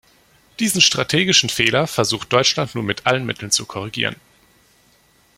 Diesen strategischen Fehler versucht Deutschland nun mit allen Mitteln zu korrigieren.